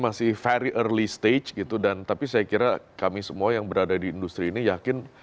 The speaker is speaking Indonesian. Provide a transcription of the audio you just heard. masih very early stage gitu dan tapi saya kira kami semua yang berada di industri ini yakin